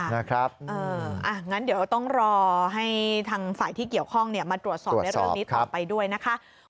อย่างนั้นเดี๋ยวต้องรอให้ทางฝ่ายที่เกี่ยวข้องมาตรวจสอบในเรื่องนี้ต่อไปด้วยนะคะ